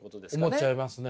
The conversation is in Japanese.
思っちゃいますね。